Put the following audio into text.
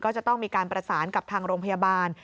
ก็จะต้องมีการประสานกับทางโรงพยาบาล